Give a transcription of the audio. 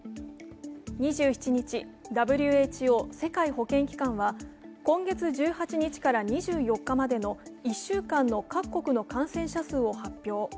２７日、ＷＨＯ＝世界保健機関は今月１８日から２４日までの１週間の各国の感染者数を発表。